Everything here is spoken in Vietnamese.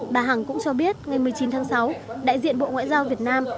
bà hằng cũng cho biết ngày một mươi chín tháng sáu đại diện bộ ngoại giao việt nam